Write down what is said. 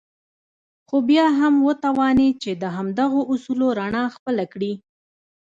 خو بيا هم وتوانېد چې د همدغو اصولو رڼا خپله کړي.